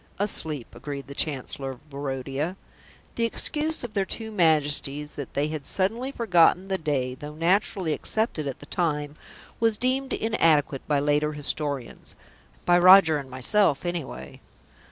"Asleep," agreed the Chancellor of Barodia. "The excuse of their two Majesties that they had suddenly forgotten the day, though naturally accepted at the time, was deemed inadequate by later historians." (By Roger and myself, anyway.)